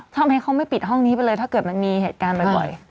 ทำให้เขาไม่ปิดห้องนี้ไปเลยถ้าเกิดมันมีเหตุการณ์บ่อย